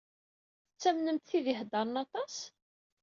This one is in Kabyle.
Tettamnemt tid i iheddṛen aṭas?